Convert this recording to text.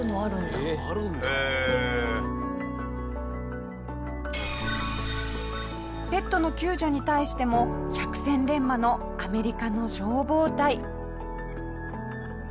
下平：ペットの救助に対しても百戦錬磨のアメリカの消防隊。